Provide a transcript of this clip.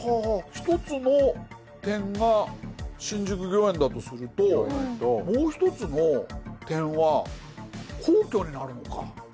一つの点が新宿御苑だとするともう一つの点は皇居になるのか。